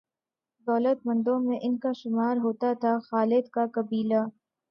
دولت مندوں میں ان کا شمار ہوتا تھا۔ خالد کا قبیلہ